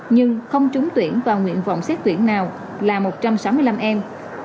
nhưng không trúng tuyển vào nguyện vọng xét tuyển nào là một trăm sáu mươi năm em